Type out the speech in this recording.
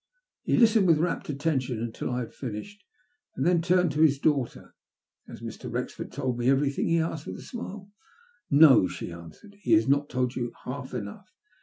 He listened with rapt attention until I had finished, and then turned to his daughter. "Has Mr. Wrexford told me everything?" he aslced with a smile. " No," she answered. *'^e has not told you hall enough.